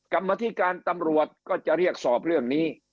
กรรมธิการตำรวจก็จะเรียกสอบเรื่องนี้